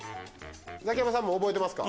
ザキヤマさんも覚えてますか？